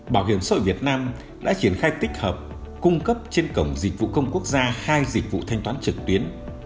bảo hiểm sội việt nam đã triển khai tích hợp cung cấp trên cổng dịch vụ không quốc gia hai dịch vụ thanh toán trực tuyến